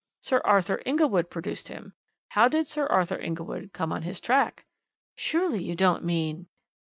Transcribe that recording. Sir Arthur Inglewood produced him. How did Sir Arthur Inglewood come on his track?" "Surely, you don't mean?"